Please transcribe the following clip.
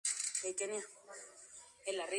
Corría el mes de julio.